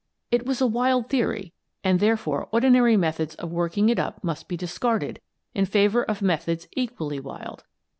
It was a wild theory, and, therefore, ordinary methods of working it up must be dis carded in favour of methods equally wild.